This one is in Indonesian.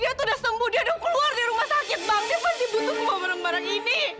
dia tuh udah sembuh dia udah keluar dari rumah sakit bang dia pasti butuh semua barang barang ini